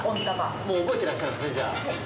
もう覚えてらっしゃるんですね、じゃあ。